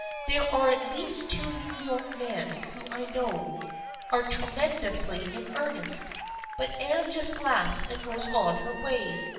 There are at least two New York men who I know are tremendously in earnest, but Anne just laughs and goes on her way.